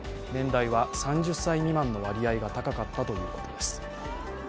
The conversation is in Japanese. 年代は３０歳未満の割合が高かったということです。